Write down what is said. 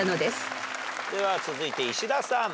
では続いて石田さん。